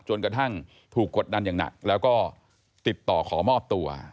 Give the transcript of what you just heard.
จนกระทั่งถูกกดดันอย่างหนักแล้วก็ติดต่อขอมอบตัว